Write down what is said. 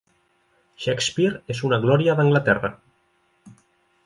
Shakespeare és una glòria d'Anglaterra.